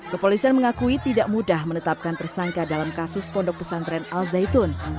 kepolisian mengakui tidak mudah menetapkan tersangka dalam kasus pondok pesantren al zaitun